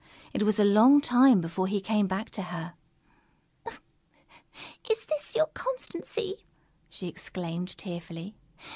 It was a long time before he came back to her. "Is this your constancy?" she exclaimed tearfully.